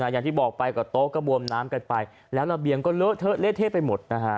อย่างที่บอกไปก่อนโต๊ะก็บวมน้ำกันไปแล้วระเบียงก็เล็ดเท่ไปหมด